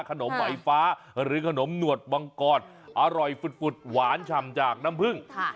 ขนมไหมฟ้าหรือขนมหนวดมังกรอร่อยฝุดหวานฉ่ำจากน้ำผึ้ง